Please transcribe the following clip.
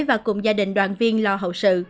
và cùng gia đình đoàn viên lo hậu sự